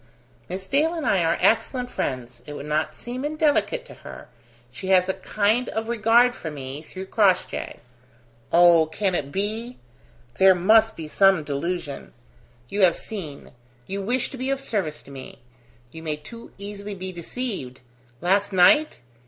"Miss Dale and I are excellent friends. It would not seem indelicate to her. She has a kind of regard for me, through Crossjay. Oh, can it be? There must be some delusion. You have seen you wish to be of service to me; you may too easily be deceived. Last night?